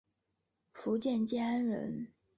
福建建安人。